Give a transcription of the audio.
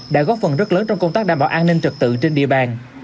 đã góp phần rất lớn trong công tác đảm bảo an ninh trật tự trên địa bàn